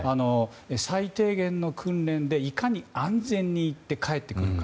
最低限の訓練でいかに安全に行って帰ってくるか。